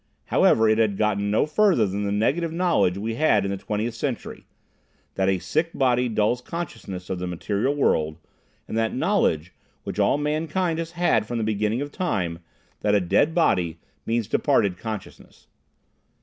However, it had gotten no further than the negative knowledge we had in the Twentieth Century, that a sick body dulls consciousness of the material world, and that knowledge, which all mankind has had from the beginning of time, that a dead body means a departed consciousness.